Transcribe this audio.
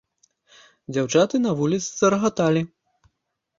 Дзяўчаты на вуліцы зарагаталі.